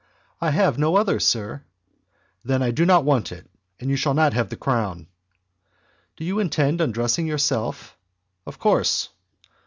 "I have no other, sir." "Then I do not want it, and you shall not have the crown." "Did you intend undressing yourself?" "Of course."